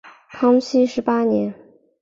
康熙十八年。